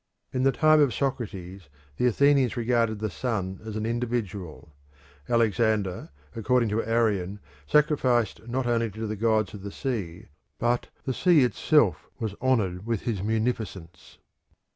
In the time of Socrates the Athenians regarded the sun as an individual. Alexander, according to Arian, sacrificed not only to the gods of the sea but "the sea itself was honoured with is munificence."